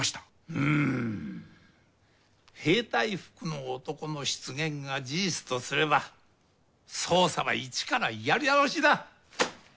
うむ兵隊服の男の出現が事実とすれば捜査は一からやり直しだ。